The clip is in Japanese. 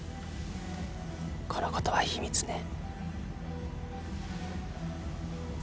このことは秘密ね。